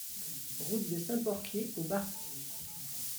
Route de Saint-Porquier aux Barthes